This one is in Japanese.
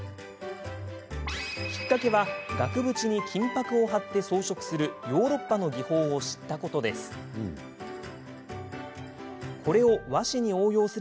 きっかけは額縁に金ぱくを貼って装飾するヨーロッパの技法を知ったことです。